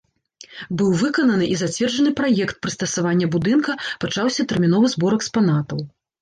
Быў выкананы і зацверджаны праект прыстасавання будынка, пачаўся тэрміновы збор экспанатаў.